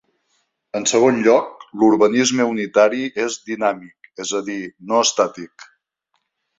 En segon lloc, l'urbanisme unitari és dinàmic, és a dir, no estàtic.